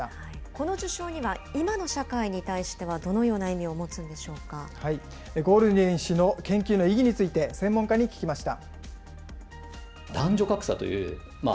この受賞には今の社会に対しては、どのような意味を持つんでゴールディン氏の研究の意義について、専門家に聞きました。